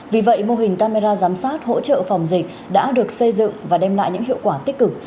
vì vậy mô hình camera giám sát hỗ trợ phòng dịch đã được xây dựng và đem lại những hiệu quả tích cực